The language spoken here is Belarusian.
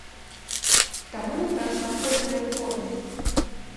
Таму нам так неабходныя рэформы.